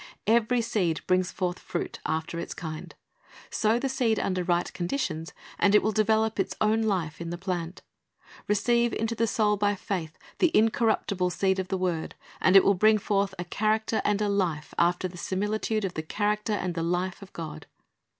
Every seed brings forth fruit after its kind. Sow the seed under right conditions, and it will develop its own life in the plant. Receive into the soul by faith the incorruptible seed of the word, and it will bring forth a character and a life after the similitude of the character and the life of God.